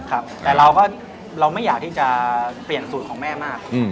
ครับแต่เราก็เราไม่อยากที่จะเปลี่ยนสูตรของแม่มาก